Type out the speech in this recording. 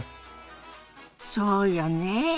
そうよね。